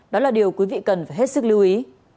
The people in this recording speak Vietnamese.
đó là điều quý vị cần phải hết sức lưu ý